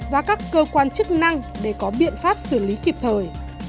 và các cơ quan chức năng để có biện pháp xử lý kịp thời